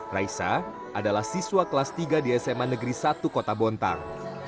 raisa adalah siswa kelas tiga di sma negeri satu kota bontang